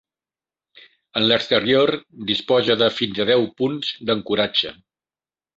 En l'exterior disposa de fins a deu punts d'ancoratge.